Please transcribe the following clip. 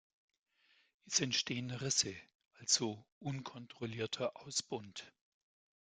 Es entstehen Risse, also unkontrollierter Ausbund.